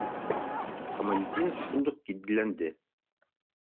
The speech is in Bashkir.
Камалетдинов шундуҡ етдиләнде: